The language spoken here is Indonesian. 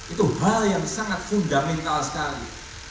itu hal yang sangat fundamental sekali